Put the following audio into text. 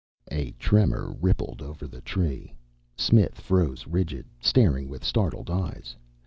A tremor rippled over the Tree. Smith froze rigid, staring with startled eyes.